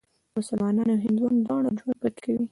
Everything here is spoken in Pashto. مسلمانان او هندوان دواړه ژوند پکې کوي.